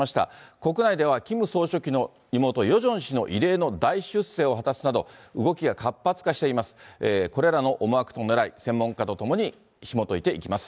国内ではキム総書記の妹、ヨジョン氏の異例の大出世を果たすなど、こんにちは。